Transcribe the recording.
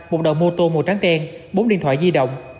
một đầu mô tô màu trắng đen bốn điện thoại di động